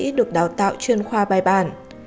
các bác sĩ được đào tạo chuyên khoa bài bản